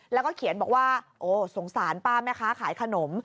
แล้วก็เขียนบอกว่าโอ้สงสารป้าแม่ค้าขายขนม